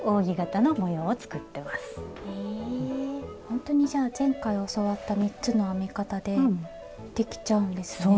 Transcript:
ほんとにじゃあ前回教わった３つの編み方でできちゃうんですね。